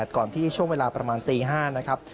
ก่อนที่ช่วงเวลาประมาณตี๕นะครับ